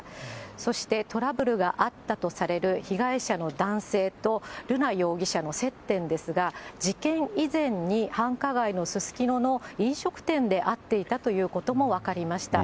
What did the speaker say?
そしてトラブルがあったとされる被害者の男性と瑠奈容疑者の接点ですが、事件以前に繁華街のすすきのの飲食店で会っていたということも分かりました。